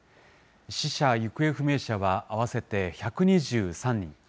死者・行方不明者は合わせて１２３人。